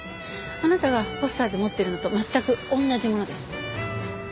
あなたがポスターで持ってるのと全く同じものです。